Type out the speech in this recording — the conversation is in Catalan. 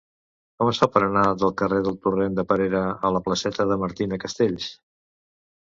Com es fa per anar del carrer del Torrent de Perera a la placeta de Martina Castells?